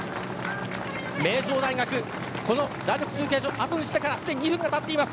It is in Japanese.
名城大学第６中継所をあとにしてからすでに２分がたっています。